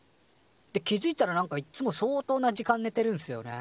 で気づいたらなんかいっつも相当な時間寝てるんすよね。